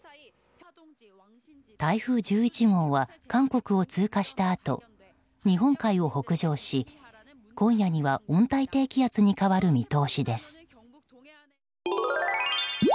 台風１１号は韓国を通過したあと日本海を北上し今夜には温帯低気圧に変わる見通しです。